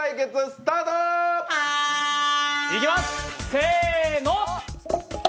せーの！